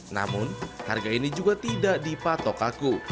namun harga ini juga tidak dipatok kaku